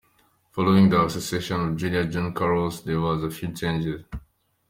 Following the accession of King Juan Carlos, there were a few changes.